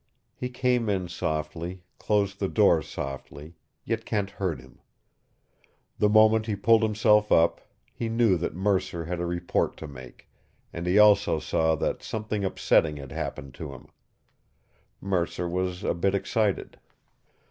He came in softly, closed the door softly, yet Kent heard him. The moment he pulled himself up, he knew that Mercer had a report to make, and he also saw that something upsetting had happened to him. Mercer was a bit excited.